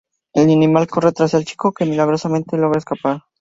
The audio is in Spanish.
El animal corre tras el chico, que milagrosamente logra escapar.